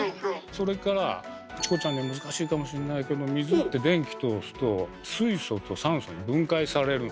それからチコちゃんには難しいかもしれないけど水って電気通すと水素と酸素に分解されるの。